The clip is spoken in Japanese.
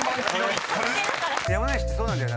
「山梨」ってそうなんだよな。